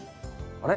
あれ？